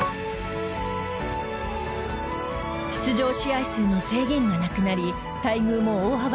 出場試合数の制限がなくなり待遇も大幅に改善。